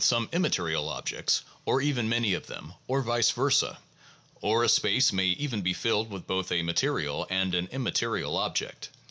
159 some immaterial object or even many of them, or vice versa; or a space may even be filled with both a material and an immaterial object.